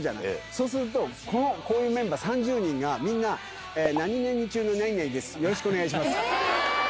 そうすると、こういうメンバー３０人が、みんな何々中の何々です、よろしくお願いします。